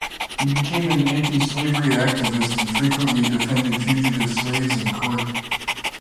He became an anti-slavery activist and frequently defended fugitive slaves in court.